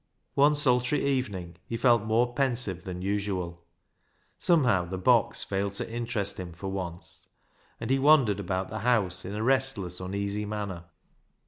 One sultry evening he felt more pensive than usual. Somehow the box failed to interest him for once, and he wandered about the house in a restless, uneasy manner.